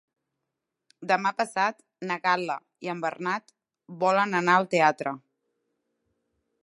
Demà passat na Gal·la i en Bernat volen anar al teatre.